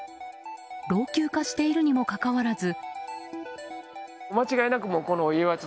老朽化しているにもかかわらず。